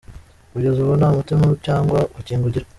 Kugeza ubu nta muti cyangwa urukingo igira.